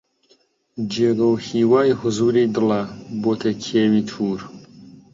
جێگە و هیوای حوزووری دڵە بۆتە کێوی توور